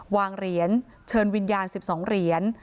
วางเหรียญเชิญวิญญาณ๑๒เหรียญ